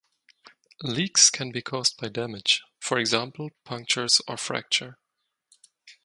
Leaks can be caused by damage; for example, punctures or fracture.